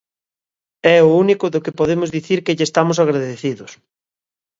É o único do que podemos dicir que lle estamos agradecidos.